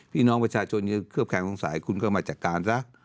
พี่น้องประชาชนยังเครื่องบ่อนคุณเกิดมาจัดการสะ